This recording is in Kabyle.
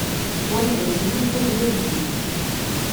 Wayeḍ yennulfa-d d ajdid.